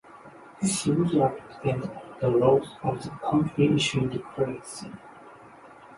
This usually depends on the laws of the country issuing the currency.